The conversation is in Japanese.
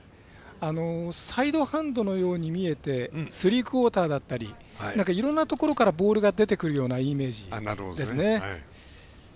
サイドハンドのように見えてスリークオーターだったりいろんなところからボールが出てくるようなイメージですね。